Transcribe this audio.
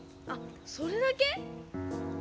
あっそれだけ！？